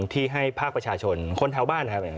ที่ให้ภาคประชาชนคนแถวบ้านนะครับ